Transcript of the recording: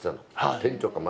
店長かな？